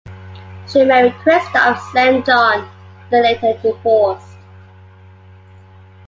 She married Kristoff Saint John, but they later divorced.